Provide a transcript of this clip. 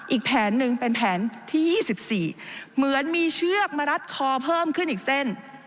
อีกแผนหนึ่งเป็นแผนที่๒๔เหมือนมีเชือกมารัดคอเพิ่มขึ้นอีกเส้น